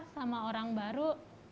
sama orang baru